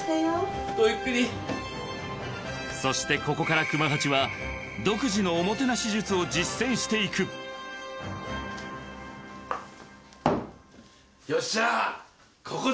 そしてここから熊八は独自のおもてなし術を実践していくよっしゃ。